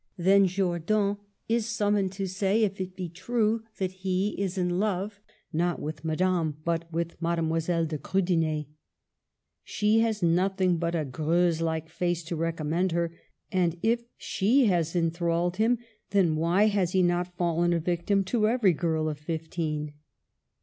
Then Jordan is summoned to say if it be true that he is in love, not with Madame, but with Mademoiselle de Krudener ? She has nothing but a Greuze like face to recommend her, and if she has enthralled him then why has he not fallen a victim to every young girl of fifteen